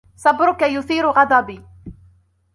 صبرك يثير غضبي